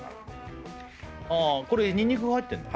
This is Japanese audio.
これにんにくが入ってんの？